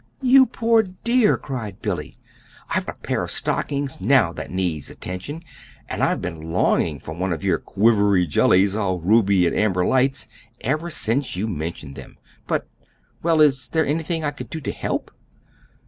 "You poor dear!" cried Billy. "I've a pair of stockings now that needs attention, and I've been just longing for one of your 'quivery jellies all ruby and amber lights' ever since you mentioned them. But well, is there anything I could do to help?"